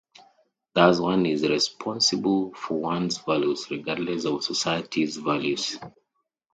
Thus, one is responsible for one's values, regardless of society's values.